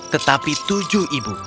tetapi tujuh ibu